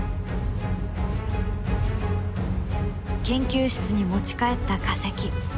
研究室に持ち帰った化石。